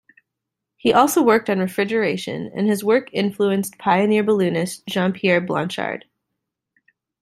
He also worked on refrigeration, and his work influenced pioneer balloonist Jean-Pierre Blanchard.